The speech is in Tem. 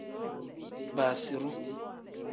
Basiru.